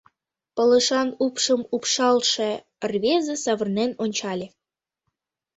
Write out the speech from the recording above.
Пылышан упшым упшалше рвезе савырнен ончале.